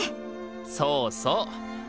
そうそう。